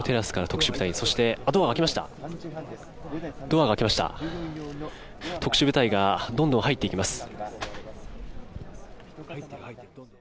特殊部隊がどんどん入っていきます。